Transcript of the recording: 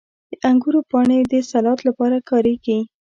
• د انګورو پاڼې د سالاد لپاره کارېږي.